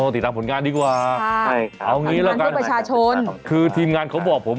อ๋อติดตามผลงานดีกว่าเอางี้แล้วกันคือทีมงานเขาบอกผมมา